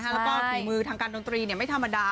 แล้วก็ฝีมือทางการดนตรีไม่ธรรมดา